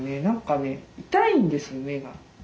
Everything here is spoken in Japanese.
何かね痛いんですよ